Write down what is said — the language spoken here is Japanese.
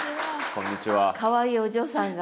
かわいいお嬢さんが。